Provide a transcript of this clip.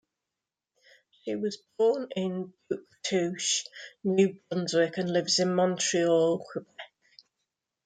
She was born in Bouctouche, New Brunswick and lives in Montreal, Quebec.